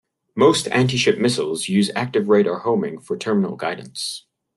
Most anti-ship missiles use active radar homing for terminal guidance.